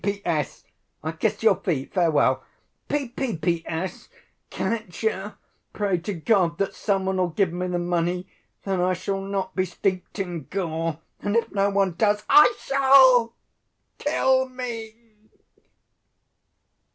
P.P.S.—I kiss your feet, farewell! P.P.P.S.—Katya, pray to God that some one'll give me the money. Then I shall not be steeped in gore, and if no one does—I shall! Kill me!